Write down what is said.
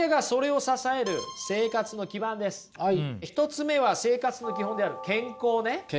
１つ目は生活の基本である健康ね。